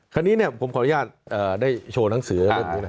คราวนี้เนี่ยผมขออนุญาตได้โชว์หนังสือ